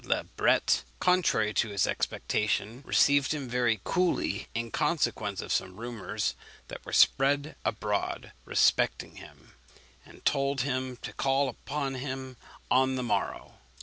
le Bret, contrary to his expectation, received him very coolly, in consequence of some rumours that were spread abroad respecting him; and told him to call upon him on the morrow.